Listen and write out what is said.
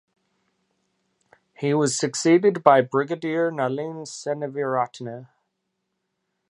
He was succeeded by Brigadier Nalin Seneviratne.